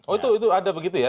oh itu ada begitu ya